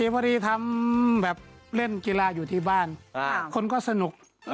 พอดีทำแบบเล่นกีฬาอยู่ที่บ้านคนก็สนุก